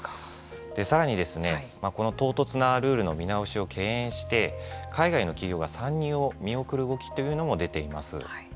さらに、この唐突なルールの見直しを敬遠して海外の企業が参入を見送る動きというのも出ています。